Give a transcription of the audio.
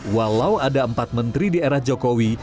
walau ada empat menteri di era jokowi